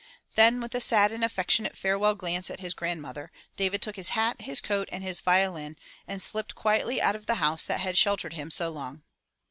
Then with a sad and affectionate farewell glance at his grandmother David took his hat, his coat and his violin and slipped quietly out of the house that had sheltered him so long.